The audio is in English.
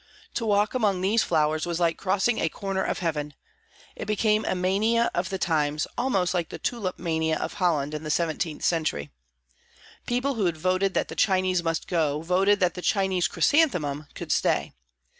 To walk among these flowers was like crossing a corner of heaven. It became a mania of the times, almost like the tulip mania of Holland in the 17th century. People who had voted that the Chinese must go, voted that the Chinese chrysanthemum could stay.